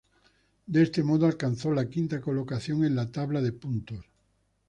De este modo, alcanzó la quinta colocación en la tabla de puntos.